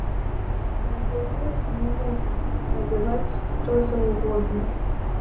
Але яе не мусіць надзяваць хто заўгодна!